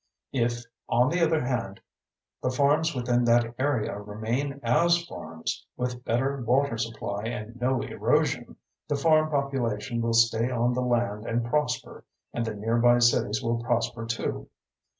If, on the other hand, the farms within that area remain as farms with better water supply and no erosion, the farm population will stay on the land and prosper and the nearby cities will prosper too.